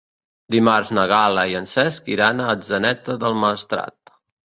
Dimarts na Gal·la i en Cesc iran a Atzeneta del Maestrat.